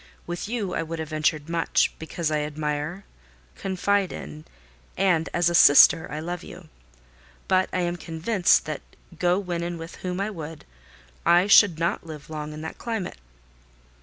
With you I would have ventured much, because I admire, confide in, and, as a sister, I love you; but I am convinced that, go when and with whom I would, I should not live long in that climate."